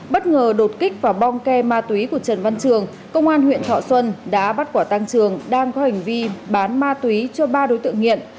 bất ngờ đột kích vào bong ke ma túy của trần văn trường công an huyện thọ xuân đã bắt quả tăng trường đang có hành vi bán ma túy cho ba đối tượng nghiện